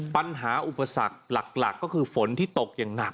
อุปสรรคหลักก็คือฝนที่ตกอย่างหนัก